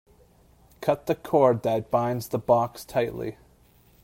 Cut the cord that binds the box tightly.